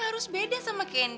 oh kayu timur kun gorgeous wound